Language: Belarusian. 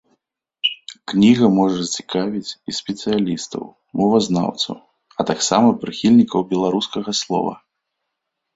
Кніга можа зацікавіць і спецыялістаў-мовазнаўцаў, а таксама прыхільнікаў беларускага слова.